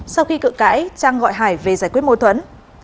sau khi cự cãi trang gọi hải về giải quyết mâu thuẫn